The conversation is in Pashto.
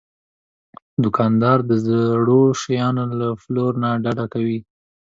دوکاندار د زړو شیانو له پلور نه ډډه کوي.